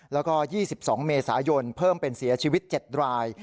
แล้วก็๒๒เมษายนเพิ่มเป็นเสียชีวิต๗ราย